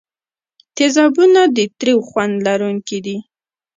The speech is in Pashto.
تیزابونه د تریو خوند لرونکي دي.